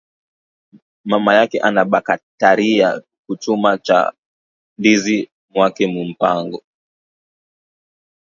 Mama yake anabakatariya ku chuma ma ndizi mwake mu mpango